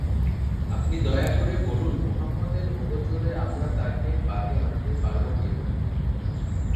আপনি দয়া করে বলুন, মুহাম্মাদের অগোচরে আমরা তাকে বাগে আনতে পারব কি-না?